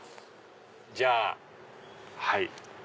じゃあはい。